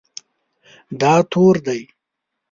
دا تور دی